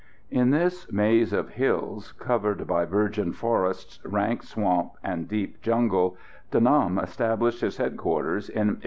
In this maze of hills, covered by virgin forests, rank swamp and deep jungle, De Nam established his headquarters in 1887.